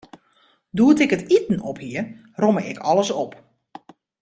Doe't ik it iten op hie, romme ik alles op.